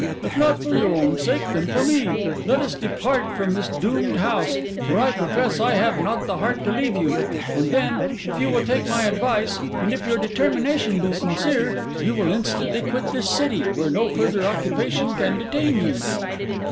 If not for your own sake, then for mine, let us depart from this doomed house, where I profess I have not the heart to leave you; and then, if you will take my advice, and if your determination be sincere, you will instantly quit this city, where no further occupation can detain you.